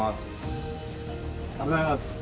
おはようございます。